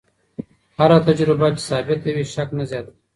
هره تجربه چې ثابته وي، شک نه زیاتوي.